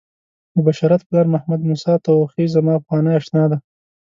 د بشارت پلار محمدموسی توخی زما پخوانی آشنا دی.